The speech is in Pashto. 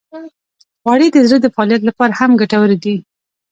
غوړې د زړه د فعالیت لپاره هم ګټورې دي.